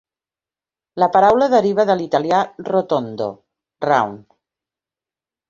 La paraula deriva de l'italià "rotondo," "round.